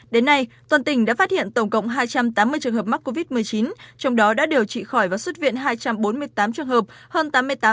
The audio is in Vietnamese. đến nay toàn tỉnh đã phát hiện tổng cộng hai trăm tám mươi trường hợp mắc covid một mươi chín trong đó đã điều trị khỏi và xuất viện hai trăm bốn mươi tám trường hợp hơn tám mươi tám năm